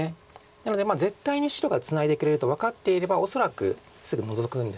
なので絶対に白がツナいでくれると分かっていれば恐らくすぐノゾくんですよね。